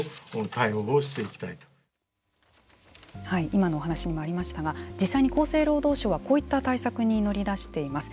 今のお話しにもありましたが実際に厚生労働省はこういった対策に乗り出しています。